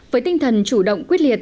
với tinh thần chủ động quyết liệt